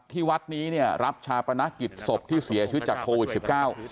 ที่วัดนี้เนี่ยรับชาปนกิจศพที่เสียชีวิตจากโควิดสิบเก้า